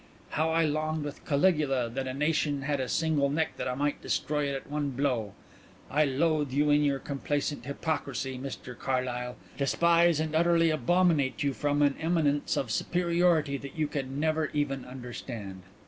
How I longed with Caligula that a nation had a single neck that I might destroy it at one blow. I loathe you in your complacent hypocrisy, Mr Carlyle, despise and utterly abominate you from an eminence of superiority that you can never even understand."